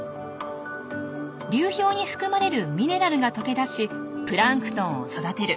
流氷に含まれるミネラルが溶け出しプランクトンを育てる。